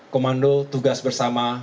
komando tugas bersama